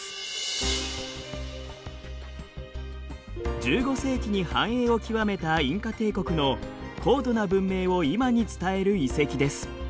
１５世紀に繁栄を極めたインカ帝国の高度な文明を今に伝える遺跡です。